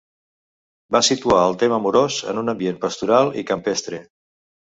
Va situar el tema amorós en un ambient pastoral i campestre.